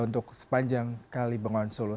untuk sepanjang kali bengawan solo